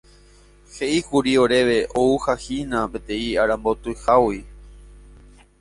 He'íkuri oréve ouhahína peteĩ arambotyhágui.